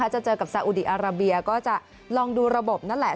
จะเจอกับซาอุดีอาราเบียก็จะลองดูระบบนั่นแหละ